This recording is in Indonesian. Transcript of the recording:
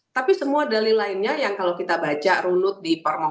tapi semua dalil lainnya kalau kita baca dan runud